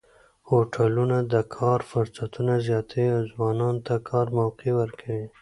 هوټلونه د کار فرصتونه زیاتوي او ځوانانو ته کاري موقع ورکوي.